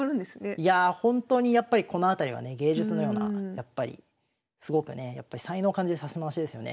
いやあ本当にやっぱりこの辺りはね芸術のようなやっぱりすごくね才能を感じる指し回しですよね